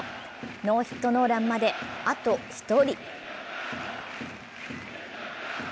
ノーヒットノーランまで、あと１人。